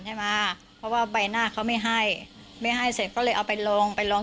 ใช่ไหมเพราะว่าใบหน้าเขาไม่ให้ไม่ให้เสร็จก็เลยเอาไปลงไปลง